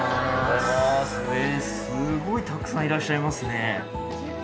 すごいたくさんいらっしゃいますね。